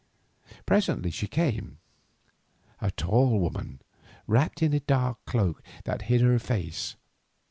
Presently she came, a tall woman wrapped in a dark cloak that hid her face.